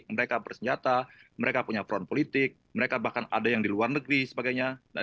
mereka bersenjata mereka punya front politik mereka bahkan ada yang di luar negeri sebagainya